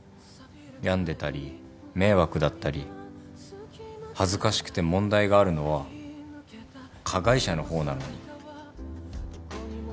病んでたり迷惑だったり恥ずかしくて問題があるのは加害者の方なのに。